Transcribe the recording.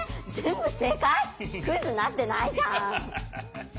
クイズになってないじゃん！